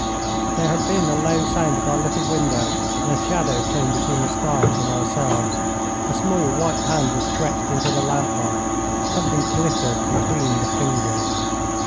There had been a low sound at our little window, and a shadow came between the stars and ourselves. A small, white hand was stretched into the lamplight. Something glittered between the fingers.